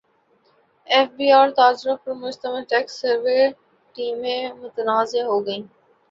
F B R اور تاجروں پر مشتمل ٹیکس سروے ٹیمیں متنازع ہو گئیں